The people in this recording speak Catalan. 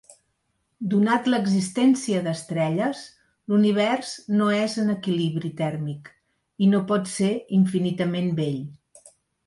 Donat l'existència d'estrelles l'univers no és en equilibri tèrmic i no pot ser infinitament vell.